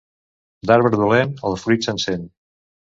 D'arbre dolent, el fruit se'n sent.